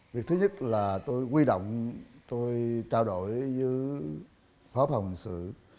việc thứ nhất là tôi huy động tôi trao đổi với phó phòng hình sự